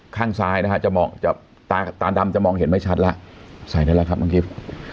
ข้างซ้ายนะฮะจะมองจะตาดำจะมองเห็นไม่ชัดแล้วใส่ได้แล้วครับน้องกิฟต์